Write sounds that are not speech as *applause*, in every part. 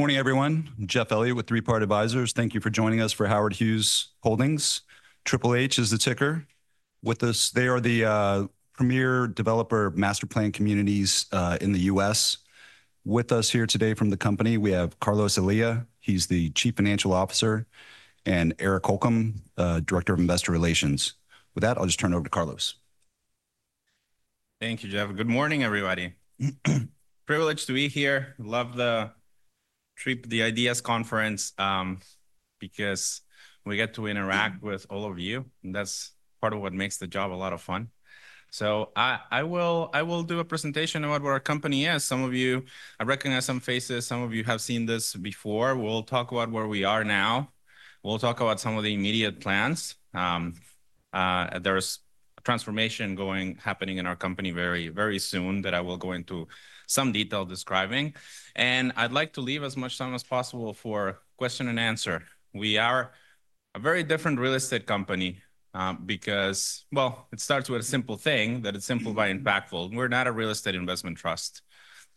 Morning, everyone. Jeff Elliott with Three Part Advisors. Thank you for joining us for Howard Hughes Holdings. HHH is the ticker. With us, they are the premier developer master planned communities in the U.S. With us here today from the company, we have Carlos Olea. He's the Chief Financial Officer and Eric Holcomb, Director of Investor Relations. With that, I'll just turn it over to Carlos. Thank you, Jeff. Good morning, everybody. Privileged to be here. Love the Three Part IDEAS Conference, because we get to interact with all of you, and that's part of what makes the job a lot of fun. So I, I will, I will do a presentation about what our company is. Some of you, I recognize some faces. Some of you have seen this before. We'll talk about where we are now. We'll talk about some of the immediate plans. There's a transformation happening in our company very, very soon that I will go into some detail describing. And I'd like to leave as much time as possible for question and answer. We are a very different real estate company, because, well, it starts with a simple thing that it's simple but impactful. We're not a real estate investment trust.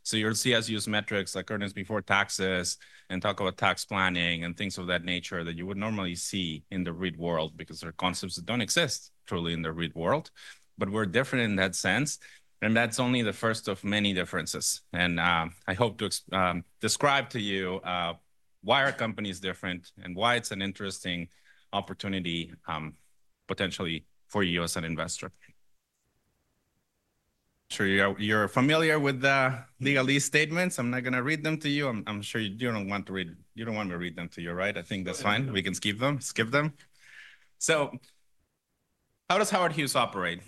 So you'll see us use metrics like earnings before taxes and talk about tax planning and things of that nature that you would normally see in the REIT world because there are concepts that don't exist truly in the REIT world. But we're different in that sense. And that's only the first of many differences. And I hope to describe to you why our company is different and why it's an interesting opportunity, potentially for you as an investor. Sure. You're familiar with the legalese statements. I'm not going to read them to you. I'm sure you don't want to read it. You don't want me to read them to you, right? I think that's fine. We can skip them. Skip them. So how does Howard Hughes operate?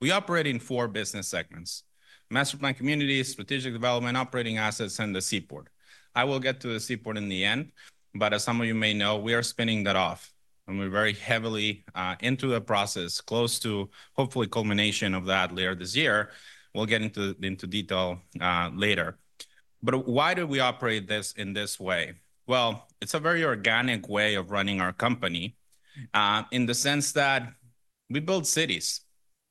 We operate in four business segments: master plan communities, strategic development, operating assets, and the Seaport. I will get to the Seaport in the end. But as some of you may know, we are spinning that off. And we're very heavily into the process, close to hopefully culmination of that later this year. We'll get into the, into detail, later. But why do we operate this in this way? Well, it's a very organic way of running our company, in the sense that we build cities.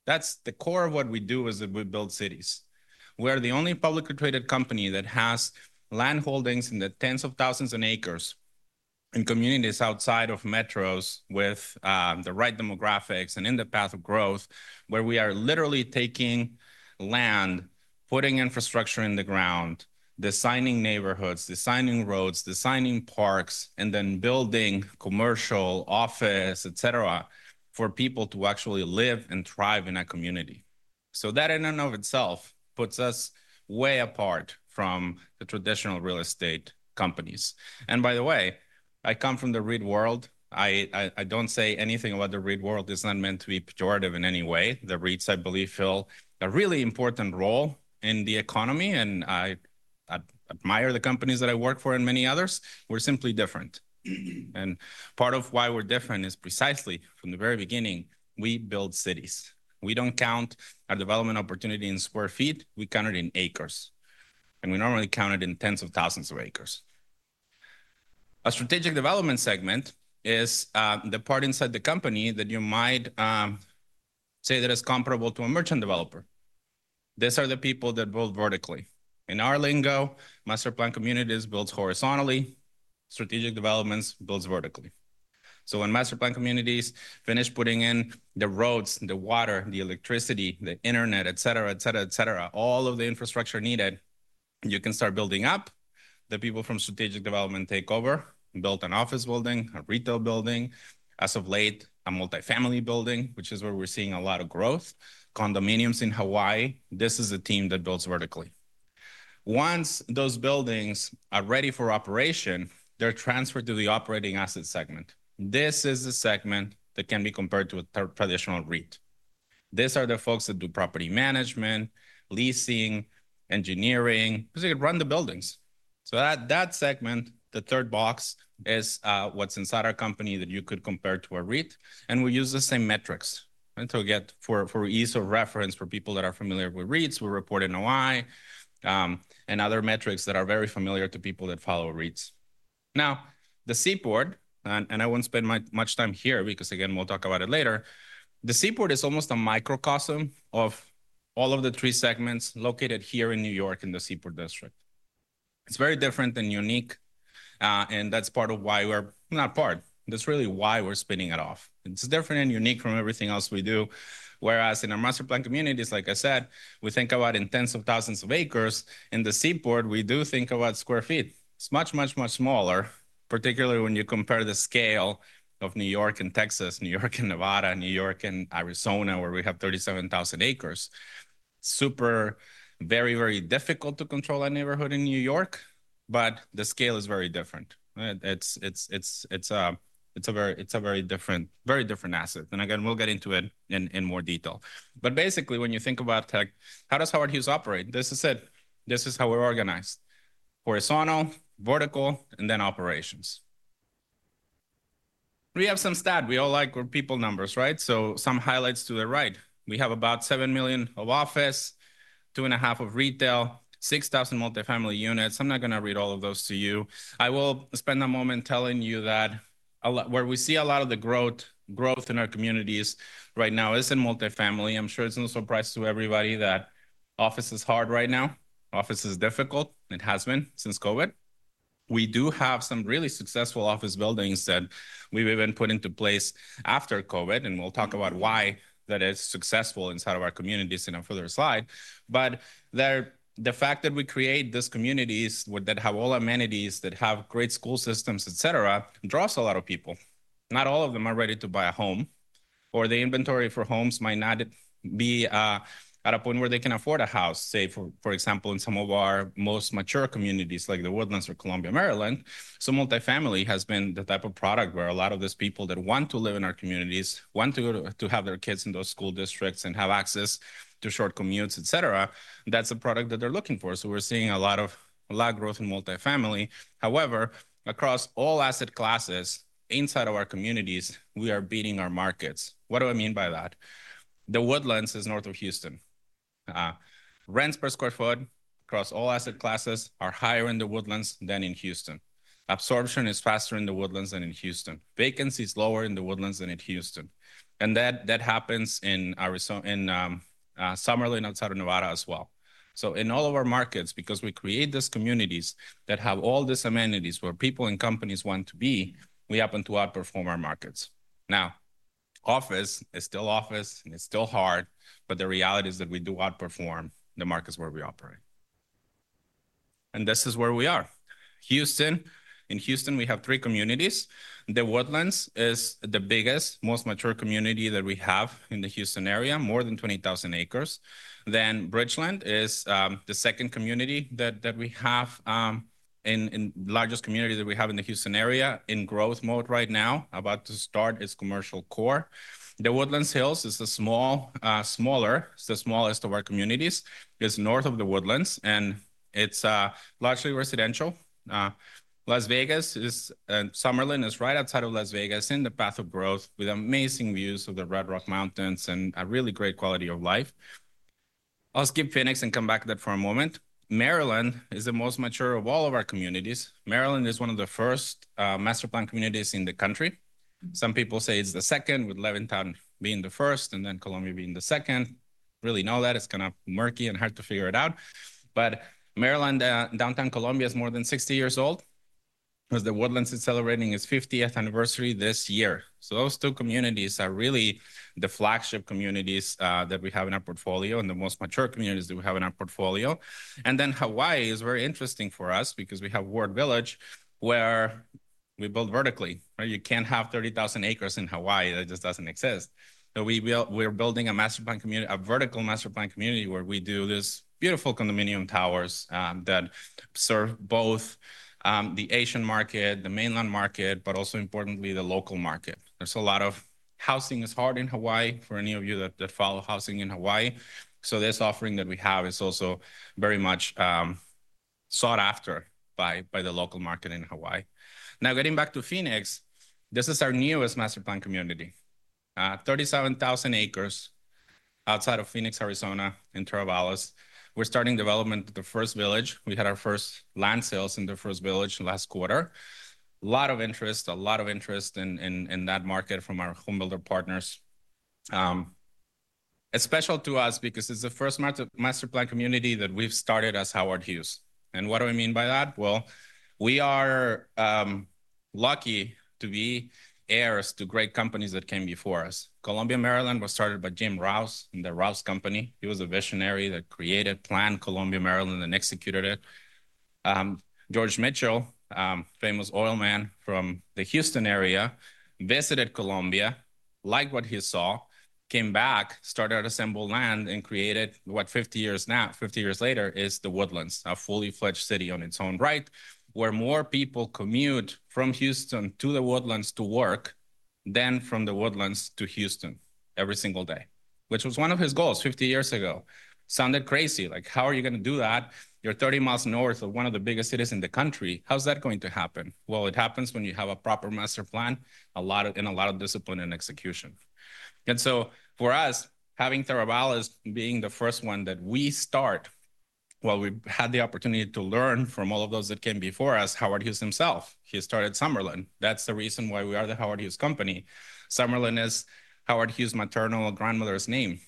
That's the core of what we do is that we build cities. We are the only publicly traded company that has land holdings in the tens of thousands of acres in communities outside of metros with the right demographics and in the path of growth where we are literally taking land, putting infrastructure in the ground, designing neighborhoods, designing roads, designing parks, and then building commercial offices, et cetera, for people to actually live and thrive in a community. So that in and of itself puts us way apart from the traditional real estate companies. And by the way, I come from the REIT world. I don't say anything about the REIT world. It's not meant to be pejorative in any way. The REITs, I believe, fill a really important role in the economy, and I admire the companies that I work for and many others. We're simply different. And part of why we're different is precisely from the very beginning, we build cities. We don't count our development opportunity in square feet. We count it in acres. And we normally count it in tens of thousands of acres. A strategic development segment is the part inside the company that you might say that is comparable to a merchant developer. These are the people that build vertically. In our lingo, master plan communities build horizontally. Strategic developments build vertically. So when master plan communities finish putting in the roads, the water, the electricity, the internet, et cetera, et cetera, et cetera, all of the infrastructure needed, you can start building up. The people from strategic development take over, build an office building, a retail building, as of late, a multifamily building, which is where we're seeing a lot of growth, condominiums in Hawaii. This is the team that builds vertically. Once those buildings are ready for operation, they're transferred to the operating asset segment. This is the segment that can be compared to a traditional REIT. These are the folks that do property management, leasing, engineering, because they run the buildings. So that, that segment, the third box is, what's inside our company that you could compare to a REIT. We use the same metrics until we get for ease of reference for people that are familiar with REITs. We report NOI, and other metrics that are very familiar to people that follow REITs. Now, the Seaport, and I won't spend much time here because, again, we'll talk about it later. The Seaport is almost a microcosm of all of the three segments located here in New York in the Seaport District. It's very different and unique, and that's part of why we're not part. That's really why we're spinning it off. It's different and unique from everything else we do. Whereas in our master plan communities, like I said, we think about in tens of thousands of acres. In the Seaport, we do think about square feet. It's much, much, much smaller, particularly when you compare the scale of New York and Texas, New York and Nevada, New York and Arizona, where we have 37,000 acres. It's very, very difficult to control a neighborhood in New York, but the scale is very different. It's a very different asset. And again, we'll get into it in more detail. But basically, when you think about tech, how does Howard Hughes operate? This is it. This is how we're organized. Horizontal, vertical, and then operations. We have some stats. We all like our people numbers, right? So some highlights to the right. We have about 7 million of office, 2.5 of retail, 6,000 multifamily units. I'm not going to read all of those to you. I will spend a moment telling you that a lot where we see a lot of the growth in our communities right now is in multifamily. I'm sure it's no surprise to everybody that office is hard right now. Office is difficult. It has been since COVID. We do have some really successful office buildings that we've even put into place after COVID. And we'll talk about why that is successful inside of our communities in a further slide. But the fact that we create these communities that have all amenities, that have great school systems, et cetera, draws a lot of people. Not all of them are ready to buy a home, or the inventory for homes might not be at a point where they can afford a house, say, for example, in some of our most mature communities like The Woodlands or Columbia, Maryland. So multifamily has been the type of product where a lot of these people that want to live in our communities want to, to have their kids in those school districts and have access to short commutes, et cetera. That's a product that they're looking for. So we're seeing a lot of, a lot of growth in multifamily. However, across all asset classes inside of our communities, we are beating our markets. What do I mean by that? The Woodlands is north of Houston. Rents per square foot across all asset classes are higher in The Woodlands than in Houston. Absorption is faster in The Woodlands than in Houston. Vacancy is lower in The Woodlands than in Houston. And that, that happens in Arizona, in Summerlin outside of Nevada as well. So in all of our markets, because we create these communities that have all these amenities where people and companies want to be, we happen to outperform our markets. Now, office is still office. It's still hard. But the reality is that we do outperform the markets where we operate. And this is where we are. Houston. In Houston, we have three communities. The Woodlands is the biggest, most mature community that we have in the Houston area, more than 20,000 acres. Then Bridgeland is the second community that we have, the largest community that we have in the Houston area in growth mode right now, about to start its commercial core. The Woodlands Hills is a smaller, it's the smallest of our communities. It's north of the Woodlands, and it's largely residential. Las Vegas is, Summerlin is right outside of Las Vegas in the path of growth with amazing views of the Red Rock Mountains and a really great quality of life. I'll skip Phoenix and come back to that for a moment. Maryland is the most mature of all of our communities. Maryland is one of the first, master plan communities in the country. Some people say it's the second, with Levittown being the first and then Columbia being the second. Really know that. It's kind of murky and hard to figure it out. But Maryland, downtown Columbia is more than 60 years old because The Woodlands is celebrating its 50th anniversary this year. So those two communities are really the flagship communities, that we have in our portfolio and the most mature communities that we have in our portfolio. And then Hawaii is very interesting for us because we have Ward Village where we build vertically, right? You can't have 30,000 acres in Hawaii. That just doesn't exist. So we build, we're building a master plan community, a vertical master plan community where we do these beautiful condominium towers that serve both the Asian market, the mainland market, but also importantly the local market. There's a lot of housing is hard in Hawaii for any of you that, that follow housing in Hawaii. So this offering that we have is also very much sought after by by the local market in Hawaii. Now, getting back to Phoenix, this is our newest master plan community. 37,000 acres outside of Phoenix, Arizona, in Teravalis. We're starting development at the first village. We had our first land sales in the first village last quarter. A lot of interest, a lot of interest in, in, in that market from our home builder partners. It's special to us because it's the first master plan community that we've started as Howard Hughes. What do I mean by that? Well, we are lucky to be heirs to great companies that came before us. Columbia, Maryland was started by Jim Rouse and the Rouse Company. He was a visionary that created, planned Columbia, Maryland, and executed it. George Mitchell, famous oil man from the Houston area, visited Columbia, liked what he saw, came back, started to assemble land and created what 50 years now, 50 years later is The Woodlands, a full-fledged city in its own right, where more people commute from Houston to The Woodlands to work than from The Woodlands to Houston every single day, which was one of his goals 50 years ago. Sounded crazy. Like, how are you going to do that? You're 30 miles north of one of the biggest cities in the country. How's that going to happen? Well, it happens when you have a proper master plan, a lot of, and a lot of discipline and execution. And so for us, having Teravalis being the first one that we start, well, we had the opportunity to learn from all of those that came before us, Howard Hughes himself. He started Summerlin. That's the reason why we are the Howard Hughes Company. Summerlin is Howard Hughes' maternal grandmother's name.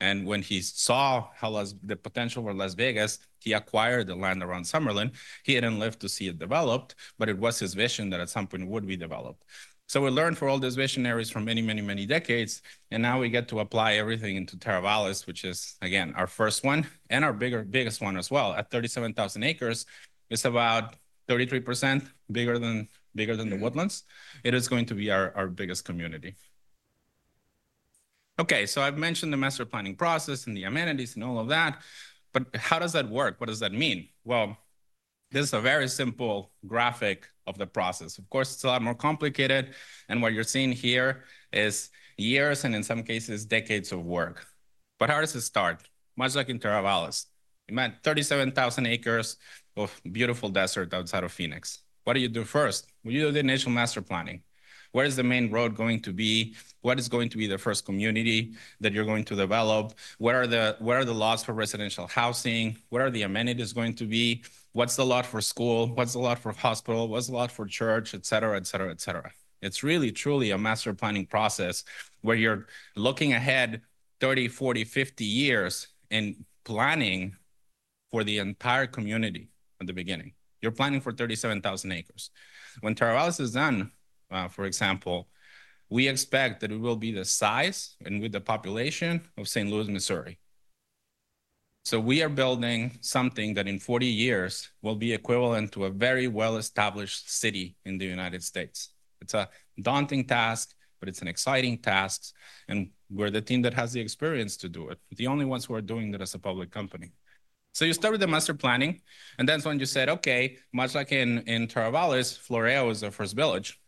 And when he saw how the potential for Las Vegas, he acquired the land around Summerlin. He didn't live to see it developed, but it was his vision that at some point it would be developed. So we learned from all these visionaries for many, many, many decades. And now we get to apply everything into Teravalis, which is, again, our first one and our bigger, biggest one as well. At 37,000 acres, it's about 33% bigger than, bigger than The Woodlands. It is going to be our, our biggest community. Okay. So I've mentioned the master planning process and the amenities and all of that. But how does that work? What does that mean? Well, this is a very simple graphic of the process. Of course, it's a lot more complicated. And what you're seeing here is years and in some cases, decades of work. But how does it start? Much like in Teravalis, it meant 37,000 acres of beautiful desert outside of Phoenix. What do you do first? Well, you do the initial master planning. Where is the main road going to be? What is going to be the first community that you're going to develop? What are the, what are the laws for residential housing? What are the amenities going to be? What's the lot for school? What's the lot for hospital? What's the lot for church? Et cetera, et cetera, et cetera. It's really, truly a master planning process where you're looking ahead 30, 40, 50 years and planning for the entire community at the beginning. You're planning for 37,000 acres. When Teravalis is done, for example, we expect that it will be the size and with the population of St. Louis, Missouri. So we are building something that in 40 years will be equivalent to a very well-established city in the United States. It's a daunting task, but it's an exciting task. And we're the team that has the experience to do it. The only ones who are doing that as a public company. So you start with the master planning, and then when you said, okay, much like in Teravalis, Floreo is the first village.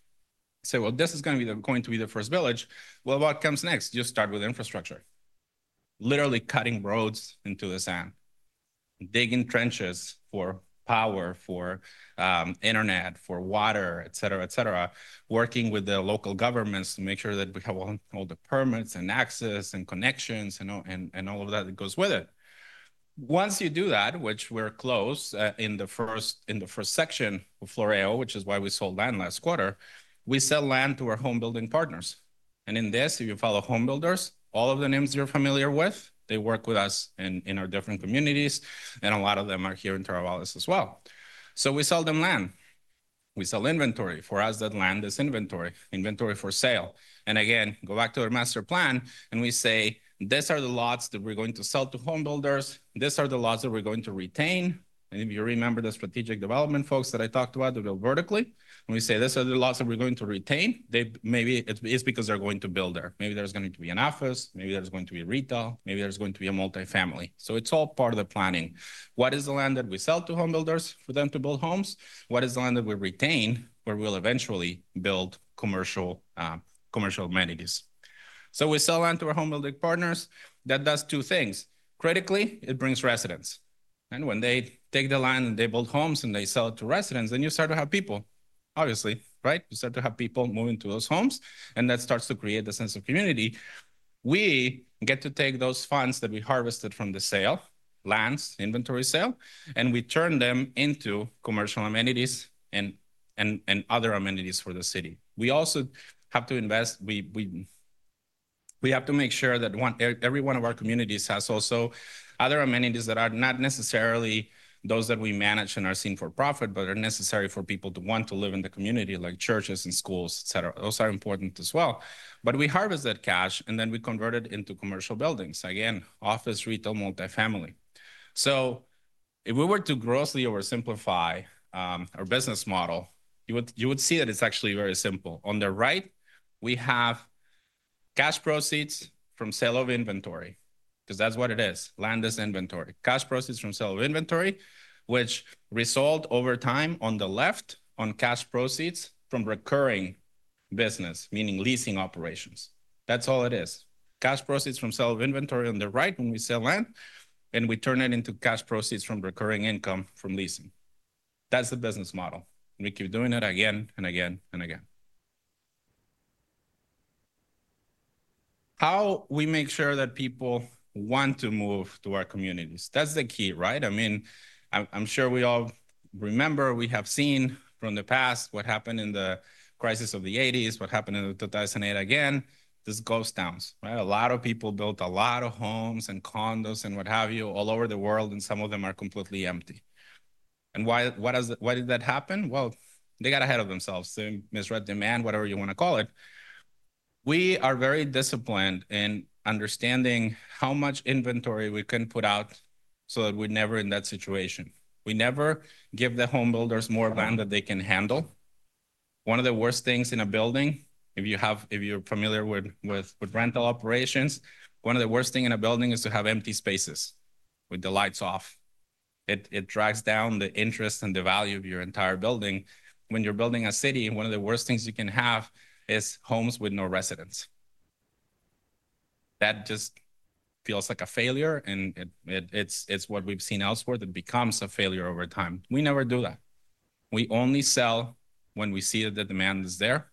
Say, well, this is going to be the first village. Well, what comes next? You start with infrastructure, literally cutting roads into the sand, digging trenches for power, for internet, for water, et cetera, working with the local governments to make sure that we have all the permits and access and connections and all of that that goes with it. Once you do that, which we're close, in the first section of Floreo, which is why we sold land last quarter, we sell land to our home building partners. In this, if you follow home builders, all of the names you're familiar with, they work with us in our different communities, and a lot of them are here in Teravalis as well. So we sell them land. We sell inventory. For us, that land is inventory, inventory for sale. And again, go back to our master plan and we say, these are the lots that we're going to sell to home builders. These are the lots that we're going to retain. And if you remember the strategic development folks that I talked about that build vertically, and we say, these are the lots that we're going to retain. They maybe it's because they're going to build there. Maybe there's going to be an office. Maybe there's going to be a retail. Maybe there's going to be a multifamily. So it's all part of the planning. What is the land that we sell to home builders for them to build homes? What is the land that we retain where we'll eventually build commercial, commercial amenities? So we sell land to our home building partners. That does two things. Critically, it brings residents. And when they take the land and they build homes and they sell it to residents, then you start to have people, obviously, right? You start to have people moving to those homes, and that starts to create a sense of community. We get to take those funds that we harvested from the sale, lands, inventory sale, and we turn them into commercial amenities and, and, and other amenities for the city. We also have to invest. We have to make sure that one, every one of our communities has also other amenities that are not necessarily those that we manage and are seen for profit, but are necessary for people to want to live in the community, like churches and schools, et cetera. Those are important as well. But we harvest that cash, and then we convert it into commercial buildings. Again, office, retail, multifamily. So if we were to grossly oversimplify our business model, you would see that it's actually very simple. On the right, we have cash proceeds from sale of inventory, because that's what it is. Land is inventory. Cash proceeds from sale of inventory, which result over time on the left on cash proceeds from recurring business, meaning leasing operations. That's all it is. Cash proceeds from sale of inventory on the right when we sell land and we turn it into cash proceeds from recurring income from leasing. That's the business model. We keep doing it again and again and again. How we make sure that people want to move to our communities. That's the key, right? I mean, I'm sure we all remember, we have seen from the past what happened in the crisis of the 1980s, what happened in 2008 again, this ghost towns, right? A lot of people built a lot of homes and condos and what have you all over the world, and some of them are completely empty. Why, what does that, why did that happen? Well, they got ahead of themselves. They misread demand, whatever you want to call it. We are very disciplined in understanding how much inventory we can put out so that we're never in that situation. We never give the home builders more land than they can handle. One of the worst things in a building, if you're familiar with rental operations, one of the worst things in a building is to have empty spaces with the lights off. It drags down the interest and the value of your entire building. When you're building a city, one of the worst things you can have is homes with no residents. That just feels like a failure, and it's what we've seen elsewhere that becomes a failure over time. We never do that. We only sell when we see that the demand is there.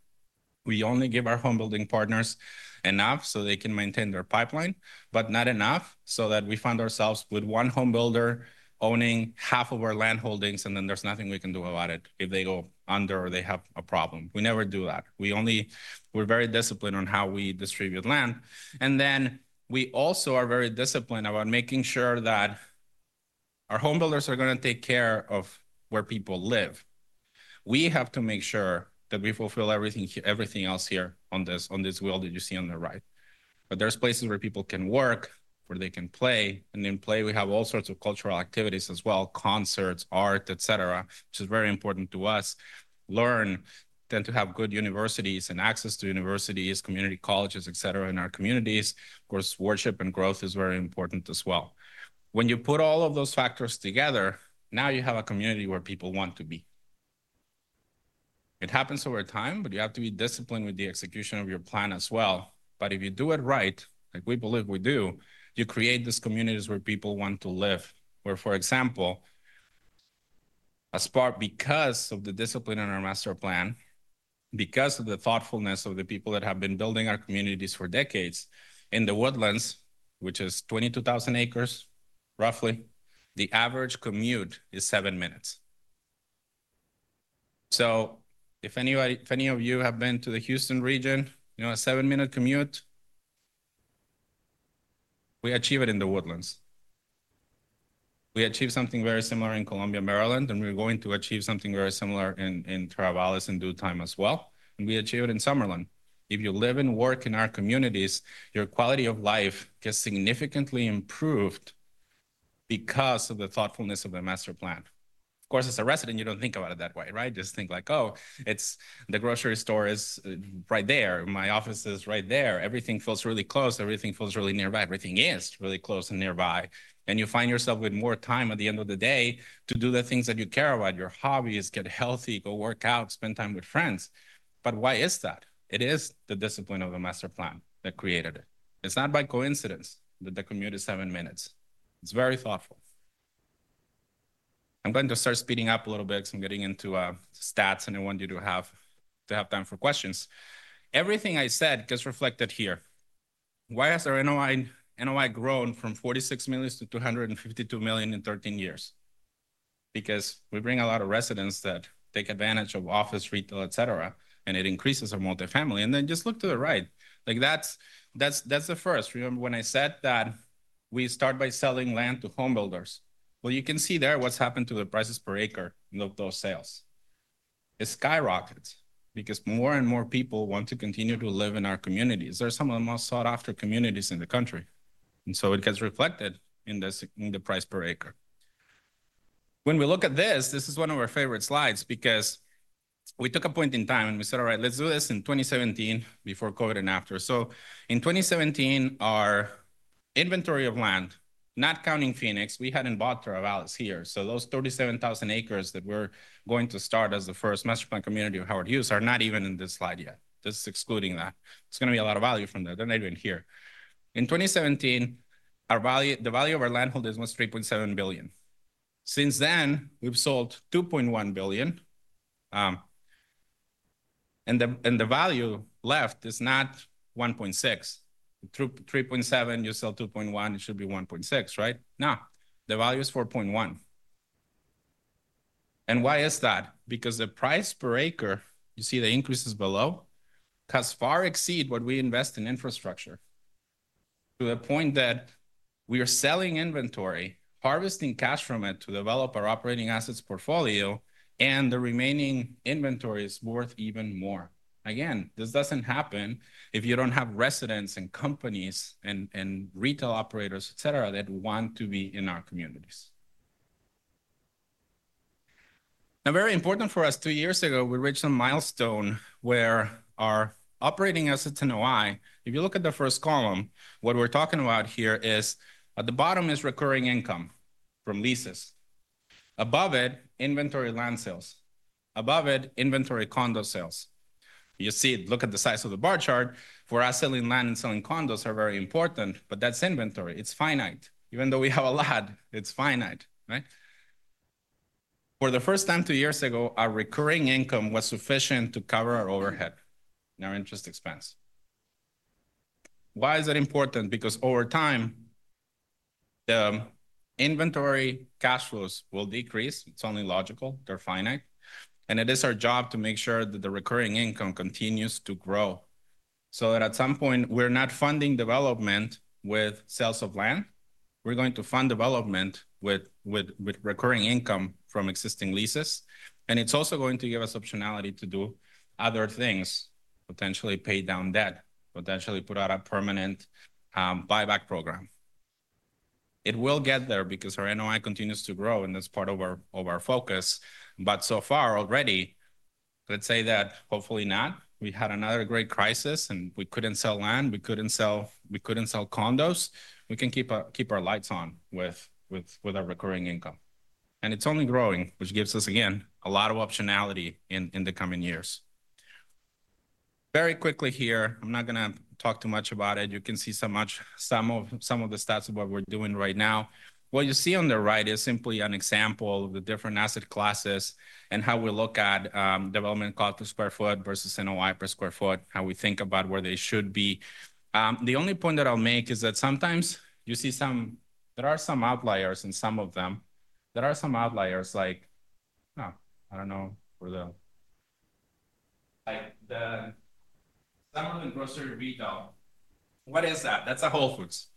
We only give our home building partners enough so they can maintain their pipeline, but not enough so that we find ourselves with one home builder owning half of our land holdings, and then there's nothing we can do about it if they go under or they have a problem. We never do that. We only, we're very disciplined on how we distribute land. And then we also are very disciplined about making sure that our home builders are going to take care of where people live. We have to make sure that we fulfill everything, everything else here on this, on this wheel that you see on the right. But there's places where people can work, where they can play. And then play, we have all sorts of cultural activities as well, concerts, art, et cetera, which is very important to us. Learn, tend to have good universities and access to universities, community colleges, et cetera, in our communities. Of course, worship and growth is very important as well. When you put all of those factors together, now you have a community where people want to be. It happens over time, but you have to be disciplined with the execution of your plan as well. But if you do it right, like we believe we do, you create these communities where people want to live. Where, for example, as part because of the discipline in our master plan, because of the thoughtfulness of the people that have been building our communities for decades in The Woodlands, which is 22,000 acres, roughly, the average commute is seven minutes. So if anybody, if any of you have been to the Houston region, you know, a seven minute commute, we achieve it in The Woodlands. We achieve something very similar in Columbia, Maryland, and we're going to achieve something very similar in Teravalis in due time as well. We achieve it in Summerlin. If you live and work in our communities, your quality of life gets significantly improved because of the thoughtfulness of the master plan. Of course, as a resident, you don't think about it that way, right? Just think like, oh, it's the grocery store is right there. My office is right there. Everything feels really close. Everything feels really nearby. Everything is really close and nearby. You find yourself with more time at the end of the day to do the things that you care about, your hobbies, get healthy, go work out, spend time with friends. Why is that? It is the discipline of the master plan that created it. It's not by coincidence that the commute is seven minutes. It's very thoughtful. I'm going to start speeding up a little bit because I'm getting into stats and I want you to have, to have time for questions. Everything I said gets reflected here. Why has our NOI, NOI grown from $46 million-$252 million in 13 years? Because we bring a lot of residents that take advantage of office, retail, et cetera, and it increases our multifamily. And then just look to the right. Like that's the first. Remember when I said that we start by selling land to home builders? Well, you can see there what's happened to the prices per acre of those sales. It skyrockets because more and more people want to continue to live in our communities. They're some of the most sought after communities in the country. So it gets reflected in this, in the price per acre. When we look at this, this is one of our favorite slides because we took a point in time and we said, all right, let's do this in 2017 before COVID and after. So in 2017, our inventory of land, not counting Phoenix, we hadn't bought Teravalis here. So those 37,000 acres that we're going to start as the first master planned community of Howard Hughes are not even in this slide yet. Just excluding that. It's going to be a lot of value from that. They're not even here. In 2017, our value, the value of our land holdings was $3.7 billion. Since then, we've sold $2.1 billion, and the, and the value left is not $1.6 billion. $3.7 billion, you sell $2.1 billion, it should be $1.6 billion, right? No, the value is $4.1 billion. And why is that? Because the price per acre, you see the increases below, has far exceeded what we invest in infrastructure to the point that we are selling inventory, harvesting cash from it to develop our operating assets portfolio, and the remaining inventory is worth even more. Again, this doesn't happen if you don't have residents and companies and, and retail operators, et cetera, that want to be in our communities. Now, very important for us, two years ago, we reached a milestone where our operating assets NOI, if you look at the first column, what we're talking about here is at the bottom is recurring income from leases. Above it, inventory land sales. Above it, inventory condo sales. You see, look at the size of the bar chart. For us, selling land and selling condos are very important, but that's inventory. It's finite. Even though we have a lot, it's finite, right? For the first time, two years ago, our recurring income was sufficient to cover our overhead, our interest expense. Why is that important? Because over time, the inventory cash flows will decrease. It's only logical. They're finite. And it is our job to make sure that the recurring income continues to grow so that at some point, we're not funding development with sales of land. We're going to fund development with, with, with recurring income from existing leases. And it's also going to give us optionality to do other things, potentially pay down debt, potentially put out a permanent, buyback program. It will get there because our NOI continues to grow, and that's part of our, of our focus. But so far already, let's say that hopefully not, we had another great crisis and we couldn't sell land, we couldn't sell, we couldn't sell condos. We can keep our lights on with our recurring income. It's only growing, which gives us, again, a lot of optionality in the coming years. Very quickly here, I'm not going to talk too much about it. You can see so much, some of the stats of what we're doing right now. What you see on the right is simply an example of the different asset classes and how we look at development cost per square foot versus NOI per square foot, how we think about where they should be. The only point that I'll make is that sometimes you see some, there are some outliers in some of them. There are some outliers like *audio distortion* What is that? That's a Whole Foods.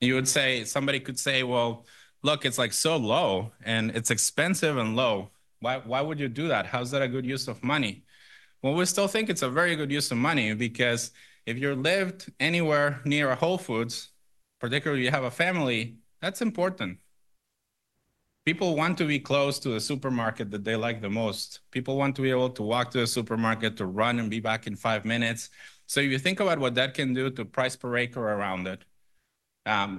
You would say, somebody could say, well, look, it's like so low and it's expensive and low. Why, why would you do that? How's that a good use of money? Well, we still think it's a very good use of money because if you're lived anywhere near a Whole Foods, particularly you have a family, that's important. People want to be close to the supermarket that they like the most. People want to be able to walk to the supermarket, to run and be back in five minutes. So if you think about what that can do to price per acre around it,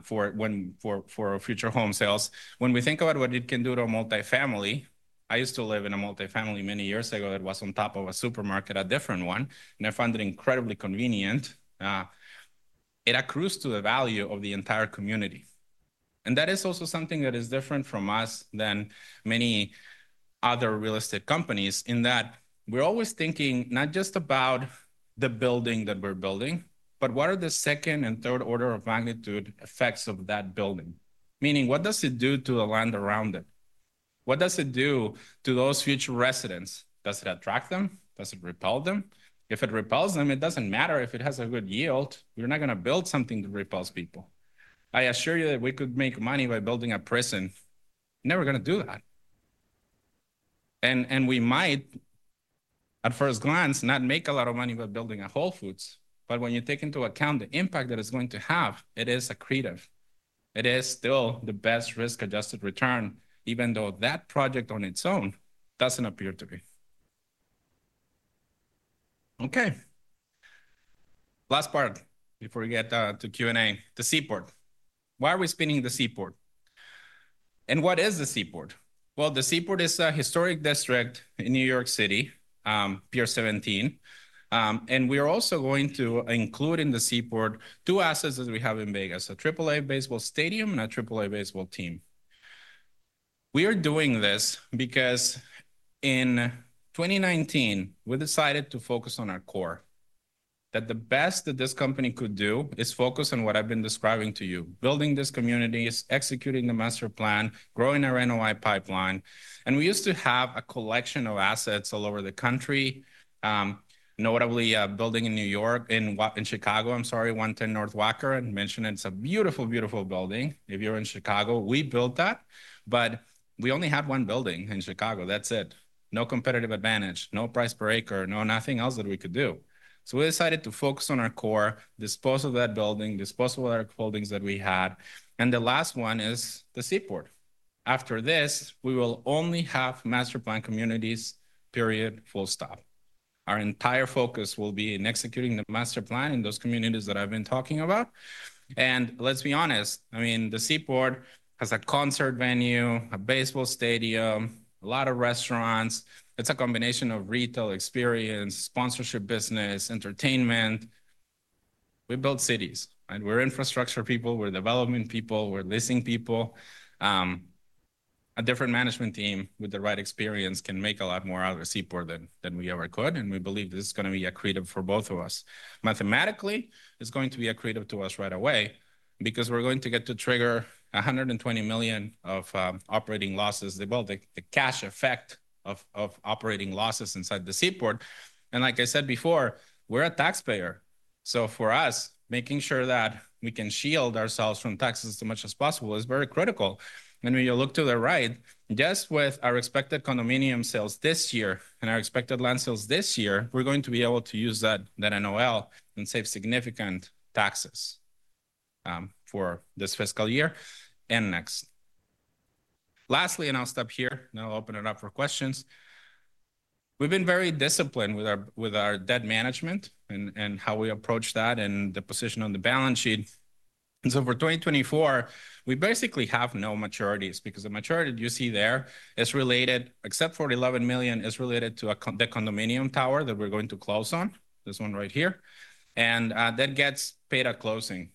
for when, for, for future home sales, when we think about what it can do to a multifamily, I used to live in a multifamily many years ago that was on top of a supermarket, a different one, and I found it incredibly convenient. It accrues to the value of the entire community. That is also something that is different from us than many other real estate companies in that we're always thinking not just about the building that we're building, but what are the second and third order of magnitude effects of that building? Meaning, what does it do to the land around it? What does it do to those future residents? Does it attract them? Does it repel them? If it repels them, it doesn't matter. If it has a good yield, we're not going to build something that repels people. I assure you that we could make money by building a prison. Never going to do that. And we might, at first glance, not make a lot of money by building a Whole Foods, but when you take into account the impact that it's going to have, it is accretive. It is still the best risk-adjusted return, even though that project on its own doesn't appear to be. Okay. Last part before we get to Q&A, the Seaport. Why are we spinning the Seaport? And what is the Seaport? Well, the Seaport is a historic district in New York City, Pier 17, and we are also going to include in the Seaport two assets that we have in Vegas, a AAA baseball stadium and a AAA baseball team. We are doing this because in 2019, we decided to focus on our core. That the best that this company could do is focus on what I've been describing to you, building this communities, executing the master plan, growing our NOI pipeline. And we used to have a collection of assets all over the country, notably, building in New York, in what, in Chicago, I'm sorry, 110 North Wacker, and mention it's a beautiful, beautiful building. If you're in Chicago, we built that, but we only had one building in Chicago. That's it. No competitive advantage, no price per acre, no nothing else that we could do. So we decided to focus on our core, dispose of that building, dispose of our holdings that we had. And the last one is the Seaport. After this, we will only have master plan communities, period, full stop. Our entire focus will be in executing the master plan in those communities that I've been talking about. And let's be honest, I mean, The Seaport has a concert venue, a baseball stadium, a lot of restaurants. It's a combination of retail experience, sponsorship business, entertainment. We build cities, and we're infrastructure people, we're development people, we're leasing people. A different management team with the right experience can make a lot more out of The Seaport than we ever could. And we believe this is going to be accretive for both of us. Mathematically, it's going to be accretive to us right away because we're going to get to trigger $120 million of operating losses, the cash effect of operating losses inside The Seaport. And like I said before, we're a taxpayer. So for us, making sure that we can shield ourselves from taxes as much as possible is very critical. And when you look to the right, just with our expected condominium sales this year and our expected land sales this year, we're going to be able to use that, that NOL and save significant taxes, for this fiscal year. And next. Lastly, and I'll stop here, and I'll open it up for questions. We've been very disciplined with our, with our debt management and, and how we approach that and the position on the balance sheet. And so for 2024, we basically have no maturities because the maturity you see there is related, except for $11 million, is related to the condominium tower that we're going to close on, this one right here. And, that gets paid at closing.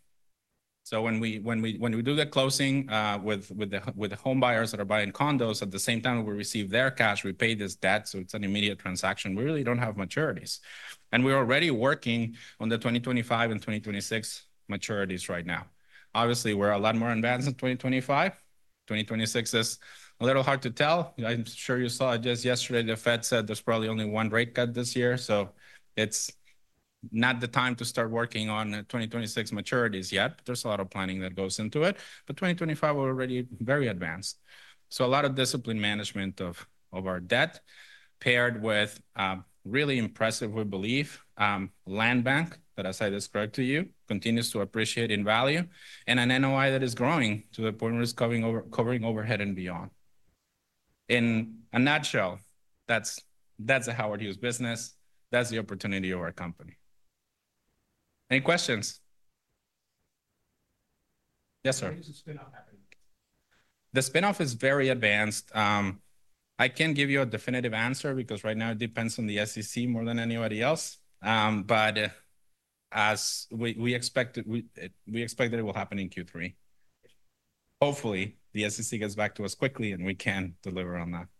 So when we do the closing, with the home buyers that are buying condos, at the same time we receive their cash, we pay this debt. So it's an immediate transaction. We really don't have maturities. We're already working on the 2025 and 2026 maturities right now. Obviously, we're a lot more advanced in 2025. 2026 is a little hard to tell. I'm sure you saw it just yesterday. The Fed said there's probably only one rate cut this year. So it's not the time to start working on 2026 maturities yet. There's a lot of planning that goes into it. 2025, we're already very advanced. So a lot of discipline management of, of our debt paired with, really impressive, we believe, land bank that, as I described to you, continues to appreciate in value and an NOI that is growing to the point where it's covering, over covering overhead and beyond. In a nutshell, that's, that's a Howard Hughes business. That's the opportunity of our company. Any questions? Yes, sir. The spinoff happening? The spinoff is very advanced. I can't give you a definitive answer because right now it depends on the SEC more than anybody else. But, as we, we expect it, we, we expect that it will happen in Q3. Hopefully, the SEC gets back to us quickly and we can. *audio distortion* *audio distortion*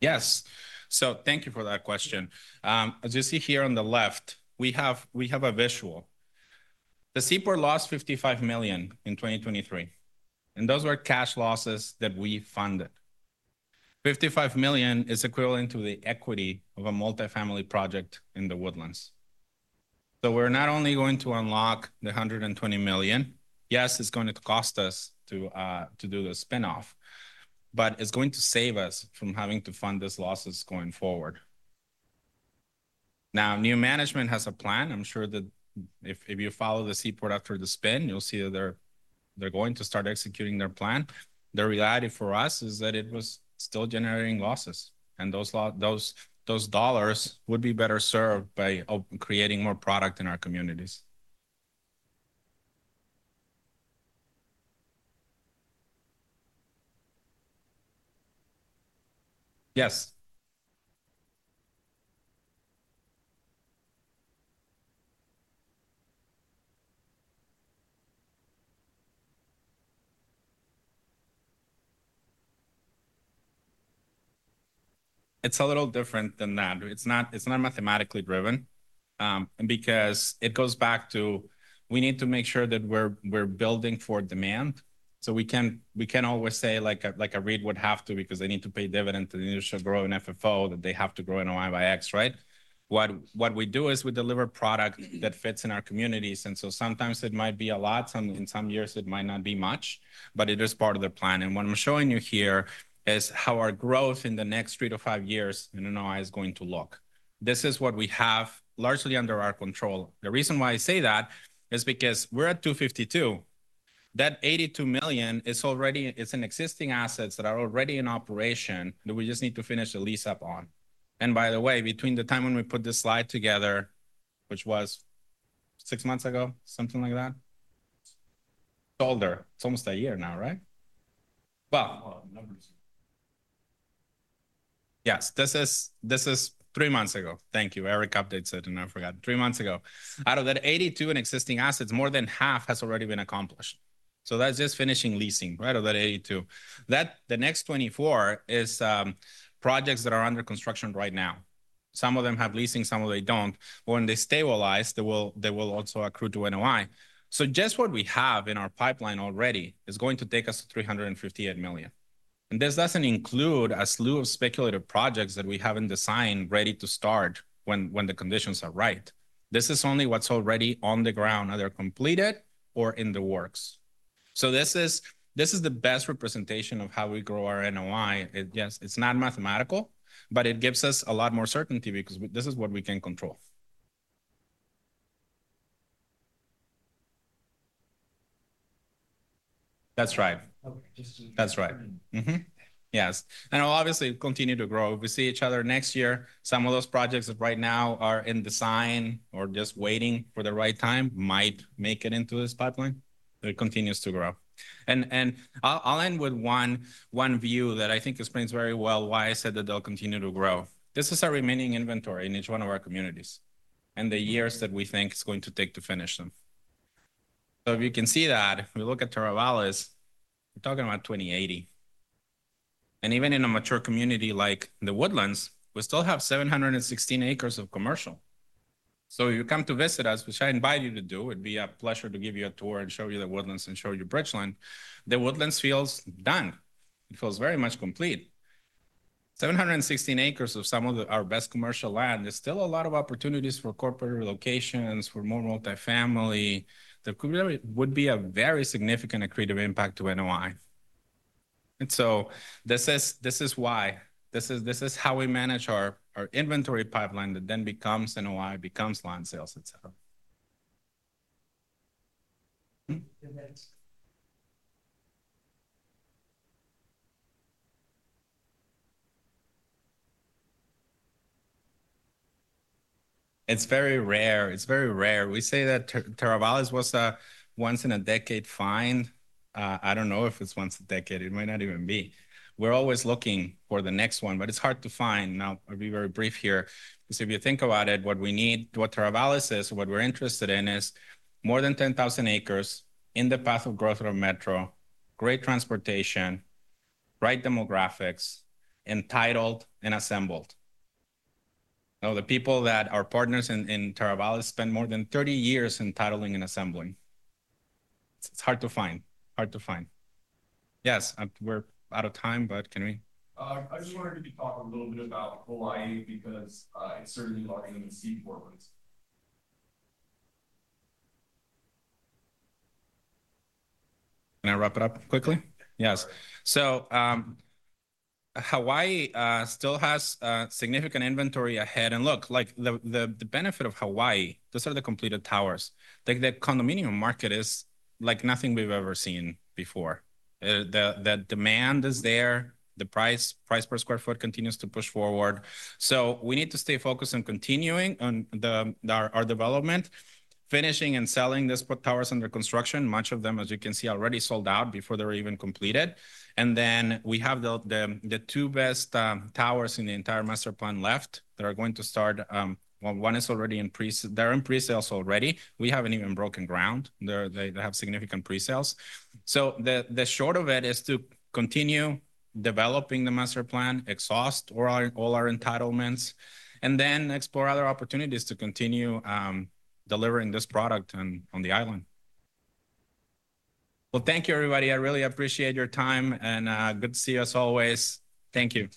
Yes. So thank you for that question. As you see here on the left, we have, we have a visual. The Seaport lost $55 million in 2023. And those were cash losses that we funded. $55 million is equivalent to the equity of a multifamily project in The Woodlands. So we're not only going to unlock the $120 million. Yes, it's going to cost us to do the spinoff, but it's going to save us from having to fund these losses going forward. Now, new management has a plan. I'm sure that if you follow the Seaport after the spin, you'll see that they're going to start executing their plan. The reality for us is that it was still generating losses. And those losses, those dollars would be better served by creating more product in our communities. Yes. It's a little different than that. It's not mathematically driven. and because it goes back to, we need to make sure that we're building for demand. So we can always say like, a REIT would have to, because they need to pay dividends to initially grow their FFO that they have to grow their NOI by X, right? What we do is we deliver product that fits in our communities. And so sometimes it might be a lot. In some years, it might not be much, but it is part of the plan. And what I'm showing you here is how our growth in the next 3-5 years in NOI is going to look. This is what we have largely under our control. The reason why I say that is because we're at $252. That $82 million is already, it's existing assets that are already in operation that we just need to finish the lease up on. By the way, between the time when we put this slide together, which was six months ago, something like that, it's older. It's almost a year now, right? Well, numbers. Yes, this is, this is three months ago. Thank you. Eric updates it and I forgot. Three months ago. Out of that $82 million in existing assets, more than half has already been accomplished. So that's just finishing leasing, right? Of that $82 million. That, the next $24 million is, projects that are under construction right now. Some of them have leasing, some of them don't. But when they stabilize, they will, they will also accrue to NOI. So just what we have in our pipeline already is going to take us to $358 million. This doesn't include a slew of speculative projects that we haven't designed ready to start when, when the conditions are right. This is only what's already on the ground, either completed or in the works. So this is, this is the best representation of how we grow our NOI. It, yes, it's not mathematical, but it gives us a lot more certainty because this is what we can control. That's right. Okay. That's right. Mm-hmm. Yes. And I'll obviously continue to grow. If we see each other next year, some of those projects that right now are in design or just waiting for the right time might make it into this pipeline. It continues to grow. And I'll end with one view that I think explains very well why I said that they'll continue to grow. This is our remaining inventory in each one of our communities and the years that we think it's going to take to finish them. So if you can see that, we look at Teravalis, we're talking about 2080. And even in a mature community like The Woodlands, we still have 716 acres of commercial. So if you come to visit us, which I invite you to do, it'd be a pleasure to give you a tour and show you The Woodlands and show you Bridgeland. The Woodlands feels done. It feels very much complete. 716 acres of some of our best commercial land. There's still a lot of opportunities for corporate relocations, for more multifamily. There could really would be a very significant accretive impact to NOI. This is why this is how we manage our inventory pipeline that then becomes NOI, becomes land sales, etc. It's very rare. It's very rare. We say that Teravalis was a once in a decade find. I don't know if it's once a decade. It might not even be. We're always looking for the next one, but it's hard to find. Now, I'll be very brief here. So if you think about it, what we need, what Teravalis is, what we're interested in is more than 10,000 acres in the path of growth of metro, great transportation, right demographics, entitled and assembled. Now, the people that are partners in Teravalis spend more than 30 years entitling and assembling. It's hard to find, hard to find. Yes, we're out of time, but can we? I just wanted to talk a little bit about Hawaii because it's certainly larger than the Seaport was. Can I wrap it up quickly? Yes. So, Hawaii still has significant inventory ahead. And look, like the benefit of Hawaii, those are the completed towers. Like the condominium market is like nothing we've ever seen before. The demand is there. The price per square foot continues to push forward. So we need to stay focused on continuing our development, finishing and selling this towers under construction. Much of them, as you can see, already sold out before they were even completed. And then we have the two best towers in the entire master plan left that are going to start, one is already in pre, they're in pre-sales already. We haven't even broken ground. They have significant pre-sales. So the short of it is to continue developing the master plan, exhaust all our entitlements, and then explore other opportunities to continue delivering this product on the island. Well, thank you everybody. I really appreciate your time and good to see you as always. Thank you.